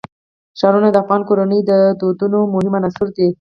ښارونه د افغان کورنیو د دودونو مهم عنصر دی.